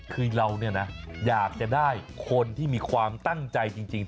คือเราเนี่ยนะอยากจะได้คนที่มีความตั้งใจจริง